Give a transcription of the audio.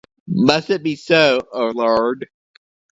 Must it be so? Oh, lord!